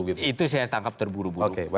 itu saya tangkap terburu buru